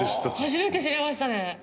初めて知りましたね。